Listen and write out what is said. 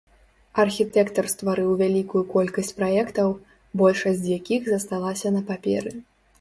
Архітэктар стварыў вялікую колькасць праектаў, большасць з якіх засталася на паперы.